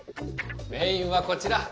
メインはこちら。